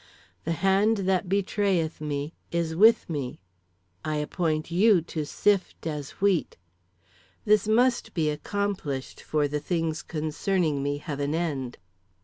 "The hand that betrayeth me is with me. "I appoint you to sift as wheat. "This must be accomplished, for the things concerning me have an end.